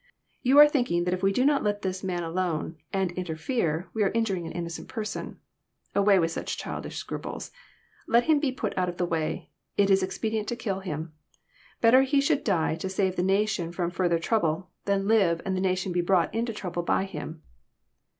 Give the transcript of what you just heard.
You are thinking that if we do not let this Man alone, and interfere, we are injuring an innocent person. Away with such childish scruples. Let Him be put out of the way. It is expedient to kill Him. Better He should die to save the nation from further trouble, than l/.ve, and the nation be brought into trouble by Him."